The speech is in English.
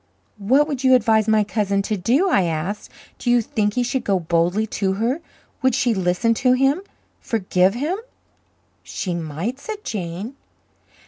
"What would you advise my cousin to do?" I asked. "Do you think he should go boldly to her? Would she listen to him forgive him?" "She might," said Jane.